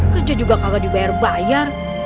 kerja juga kalau dibayar bayar